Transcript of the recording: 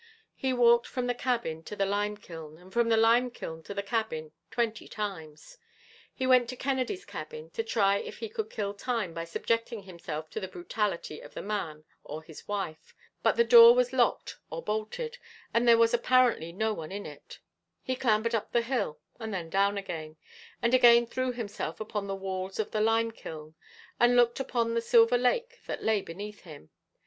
He walked from the cabin to the lime kiln, and from the lime kiln to the cabin twenty times. He went to Kennedy's cabin, to try if he could kill time by subjecting himself to the brutality of the man or his wife; but the door was locked or bolted, and there was apparently no one in it; he clambered up the hill and then down again and again threw himself upon the walls of the lime kiln, and looked upon the silver lake that lay beneath him.